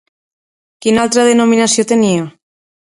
Quina altra denominació tenia?